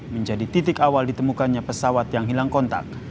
menjadi titik awal ditemukannya pesawat yang hilang kontak